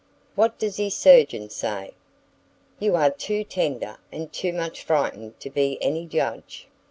"What does his surgeon say? You are too tender, and too much frightened to be any judge."